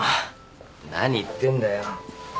何言ってんだよ。